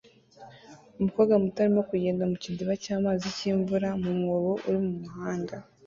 Umukobwa muto arimo kugenda mu kidiba cy'amazi y'imvura mu mwobo uri mu muhanda